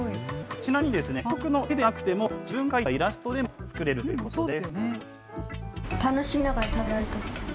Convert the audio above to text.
ちなみにですね、付属の絵でなくても、自分が描いたイラストでも作れるということです。